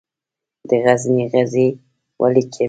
د غزني غزې ولې کمیږي؟